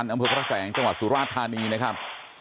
อำเภอพระแสงจังหวัดสุราชธานีนะครับ